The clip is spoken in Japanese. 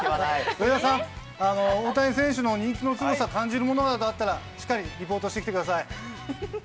上田さん、大谷選手の人気のすごさ、感じるものなどあったら、しっかりリポートしてきてください。